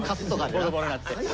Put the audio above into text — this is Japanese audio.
ボロボロになって。